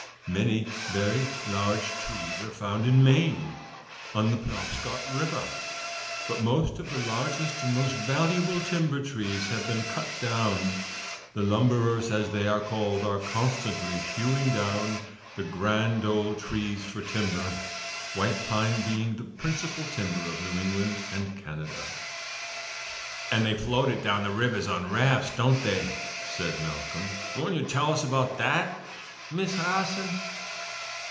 "Many very large trees are found in Maine, on the Penobscot River, but most of the largest and most valuable timber trees have been cut down. The lumberers, as they are called, are constantly hewing down the grand old trees for timber, white pine being the principal timber of New England and Canada." "And they float it down the rivers on rafts, don't they?" said Malcolm. "Won't you tell us about that, Miss Harson?"